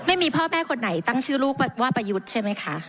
ไม่มีพ่อแม่คนไหนตั้งชื่อลูกว่าประยุทธ์ใช่ไหมคะ